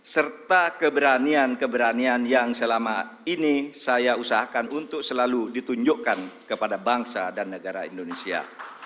serta keberanian keberanian yang selama ini saya usahakan untuk selalu ditunjukkan kepada bangsa dan negara indonesia